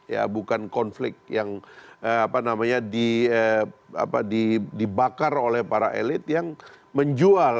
ya bukan konflik yang apa namanya dibakar oleh para elit yang menjual